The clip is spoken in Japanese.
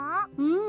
ん。